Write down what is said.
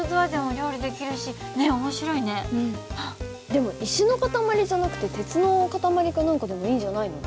でも石の塊じゃなくて鉄の塊か何かでもいいんじゃないの？